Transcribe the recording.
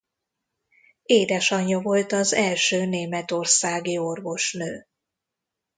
Édesanyja volt az első németországi orvosnő.